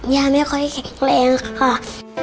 ยายไม่ค่อยแข็งแรงค่ะ